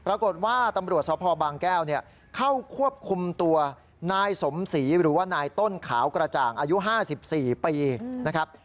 ปรากฏว่าตำรวจสพบางแก้วเข้าควบคุมตัวนายสมศรีหรือว่านายต้นขาวกระจ่างอายุ๕๔ปีนะครับ